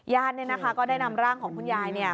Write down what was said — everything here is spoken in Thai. ย่านเนี่ยนะคะก็ได้นำร่างของขุนยายเนี่ย